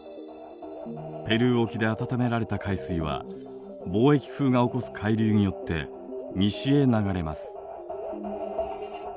ペルー沖で暖められた海水は貿易風が起こす海流によって西へ流れます。